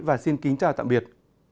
và xin kính chào tạm biệt